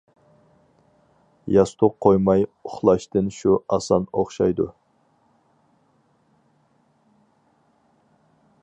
ياستۇق قويماي ئۇخلاشتىن شۇ ئاسان ئوخشايدۇ.